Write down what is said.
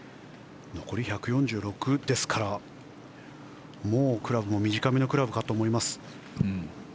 残り１４６ですからもうクラブも短めのクラブかと思います。